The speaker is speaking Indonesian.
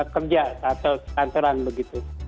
kerja atau kantoran begitu